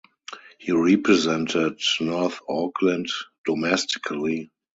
He represented North Auckland domestically.